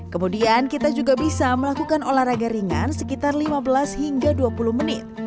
kemudian kita juga bisa melakukan olahraga ringan sekitar lima belas hingga dua puluh menit